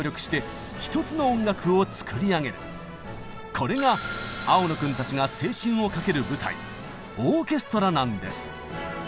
これが青野君たちが青春をかける舞台「オーケストラ」なんです。